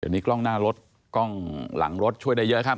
เดี๋ยวนี้กล้องหน้ารถกล้องหลังรถช่วยได้เยอะครับ